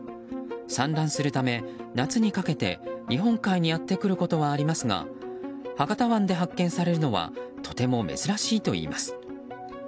産卵するため夏にかけて日本海にやってくることはありますが博多湾で発見されるのはとても珍しいといいます。